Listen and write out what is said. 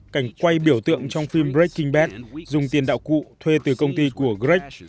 cảnh quay biểu tượng trong phim breaking bad dùng tiền đạo cụ thuê từ công ty của greg